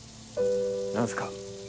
何すか？